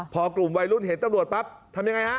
พอกลุ่มวัยรุ่นเห็นตำรวจปั๊บทำยังไงฮะ